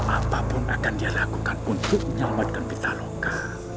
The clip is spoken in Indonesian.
apapun akan dia lakukan untuk menyelamatkan pitaloka